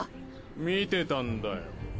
見てたんだよ。